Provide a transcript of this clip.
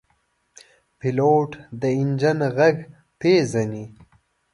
پیلوټ د انجن غږ پېژني.